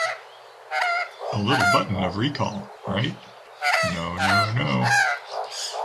The little button of re-call, right? No, no, no ...